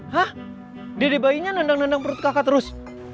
hah jadi bayinya nendang nendang perut kakak terus